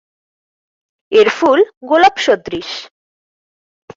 এর ফুল গোলাপ সদৃশ।